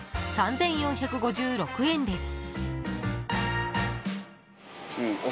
３４５６円です。